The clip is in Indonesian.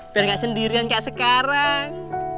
biar gak sendirian kayak sekarang